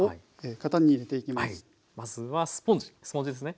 まずはスポンジですね。